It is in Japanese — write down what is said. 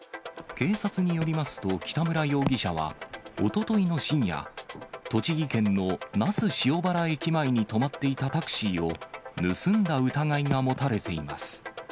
警察によりますと、北村容疑者はおとといの深夜、栃木県の那須塩原駅前に止まっていたタクシーを盗んだ疑いが持たれています。